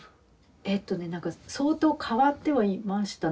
えとねなんか相当変わってはいましたね。